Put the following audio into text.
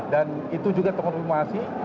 dan itu juga pengen informasi